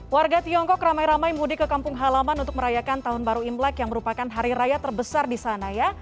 warga tiongkok ramai ramai mudik ke kampung halaman untuk merayakan tahun baru imlek yang merupakan hari raya terbesar di sana ya